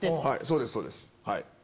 そうですそうですはい。